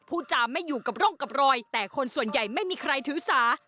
จามไม่อยู่กับร่องกับรอยแต่คนส่วนใหญ่ไม่มีใครถือสา